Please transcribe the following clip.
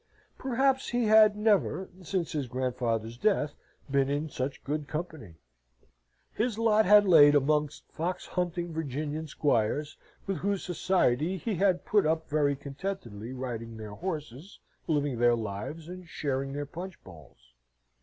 Perhaps he had never, since his grandfather's death, been in such good company. His lot had lain amongst fox hunting Virginian squires, with whose society he had put up very contentedly, riding their horses, living their lives, and sharing their punch bowls.